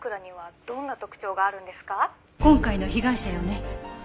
今回の被害者よね。